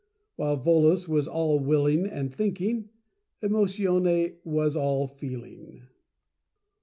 While Volos was all Willing and Thinking, Emotione was all Feeling.